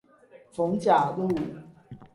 逢甲路